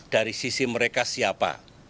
dari sisi mereka siapa